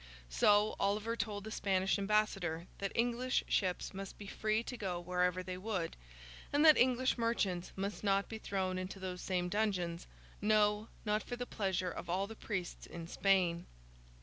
So, Oliver told the Spanish ambassador that English ships must be free to go wherever they would, and that English merchants must not be thrown into those same dungeons, no, not for the pleasure of all the priests in Spain.